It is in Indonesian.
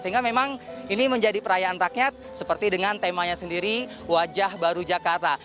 sehingga memang ini menjadi perayaan rakyat seperti dengan temanya sendiri wajah baru jakarta